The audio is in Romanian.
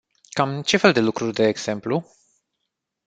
Cam ce fel de lucruri de exemplu?